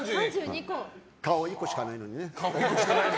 顔１個しかないのにね。